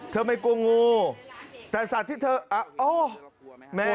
เธอไม่กลัวงูแต่สัตว์ที่เธออ้าว